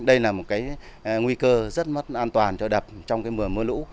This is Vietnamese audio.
đây là một cái nguy cơ rất mất an toàn cho đập trong mưa lũ